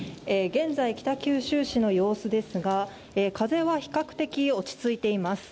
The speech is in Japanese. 現在、北九州市の様子ですが、風は比較的落ち着いています。